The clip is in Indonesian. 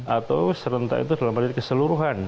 atau serentak itu dalam arti keseluruhan